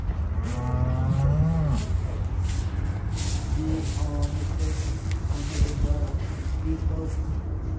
He is a mathematician, and no poet." "You are mistaken; I know him well; he is both.